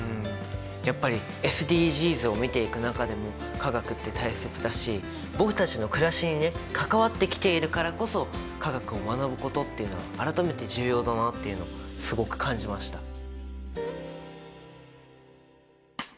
やっぱりＳＤＧｓを見ていく中でも化学って大切だし僕たちのくらしにね関わってきているからこそ化学を学ぶことっていうのは改めて重要だなっていうのをすごく感じました。